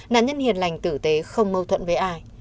nạn nhân hiền lành tử tế không mâu thuẫn với ai